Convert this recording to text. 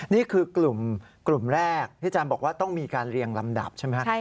นี่คือกลุ่มแรกที่อาจารย์บอกว่าต้องมีการเรียงลำดับใช่ไหมครับ